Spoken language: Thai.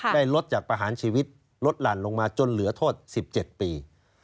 ได้ลดจากประหารชีวิตลดหลั่นลงมาจนเหลือโทษ๑๗ปี